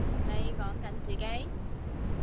你講緊自己？